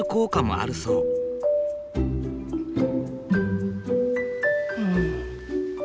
うん。